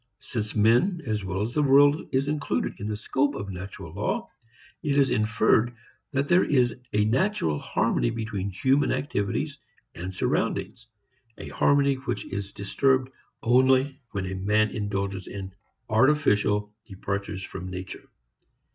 Since man as well as the world is included in the scope of natural law, it is inferred that there is natural harmony between human activities and surroundings, a harmony which is disturbed only when man indulges in "artificial" departures from nature.